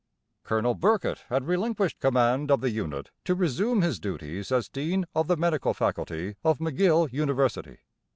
Colonel Birkett had relinquished command of the unit to resume his duties as Dean of the Medical Faculty of McGill University.